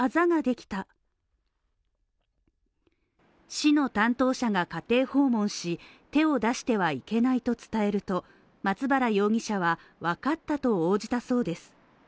市の担当者が家庭訪問し、手を出してはいけないと伝えると、松原容疑者はわかったと応じたそうです。